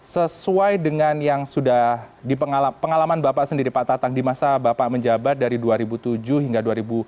sesuai dengan yang sudah pengalaman bapak sendiri pak tatang di masa bapak menjabat dari dua ribu tujuh hingga dua ribu empat belas